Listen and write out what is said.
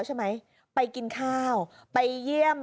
โอ้โหรักพี่ตู